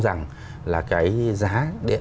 rằng là cái giá điện